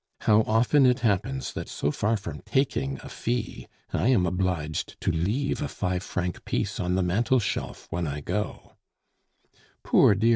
"How often it happens that so far from taking a fee, I am obliged to leave a five franc piece on the mantel shelf when I go " "Poor, dear M.